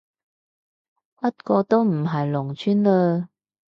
不過都唔係農村嘞